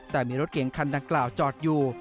แต่มีรถเก๋งคันดังกล่าวจอดอยู่